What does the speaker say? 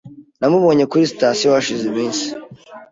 Namubonye kuri sitasiyo hashize iminsi .